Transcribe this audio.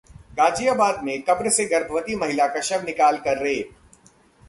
गाजियाबाद में कब्र से गर्भवती महिला का शव निकाल कर रेप!